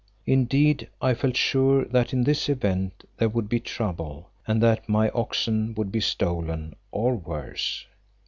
Indeed, I felt sure that in this event there would be trouble and that my oxen would be stolen, or worse.